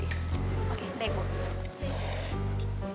oke baik bu